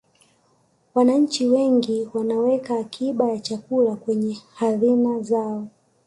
wananchi wengi wanaweka akiba ya chakula kwenye hadhina zao